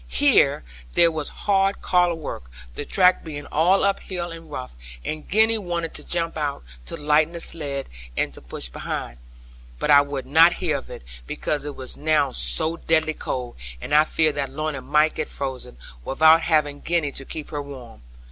Here there was hard collar work, the track being all uphill and rough; and Gwenny wanted to jump out, to lighten the sledd and to push behind. But I would not hear of it; because it was now so deadly cold, and I feared that Lorna might get frozen, without having Gwenny to keep her warm.